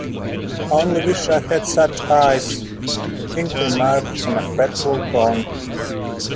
‘I only wish I had such eyes,’ the King remarked in a fretful tone.